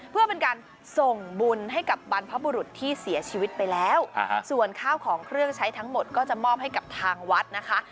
เพื่อเป็นการส่งบุญให้กับบรรพบุรุษที่เสียชีวิตไปแล้วส่วนข้าวของเครื่องใช้ทั้งหมดก็จะมอบให้กับทางวัดนะคะ